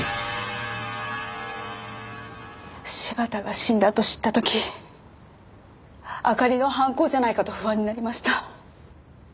柴田が死んだと知った時あかりの犯行じゃないかと不安になりました。